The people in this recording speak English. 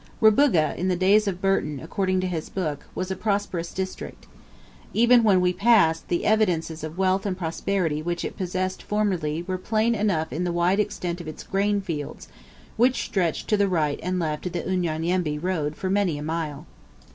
Rubuga, in the days of Burton, according to his book, was a prosperous district. Even when we passed, the evidences of wealth and prosperity which it possessed formerly, were plain enough in the wide extent of its grain fields, which stretched to the right and left of the Unyanyembe road for many a mile.